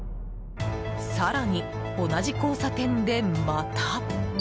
更に、同じ交差点でまた。